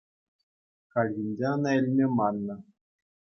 Хальхинче ӑна илме маннӑ.